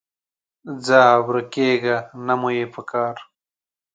ځه ورکېږه، نه مو یې پکار